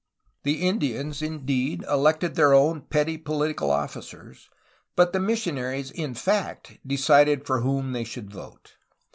The Indians indeed elected their own petty political officers, but the missionaries in fact decided for whom they should vote.